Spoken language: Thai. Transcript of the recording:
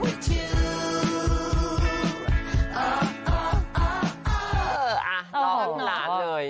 เออเออเล่าหลานเลย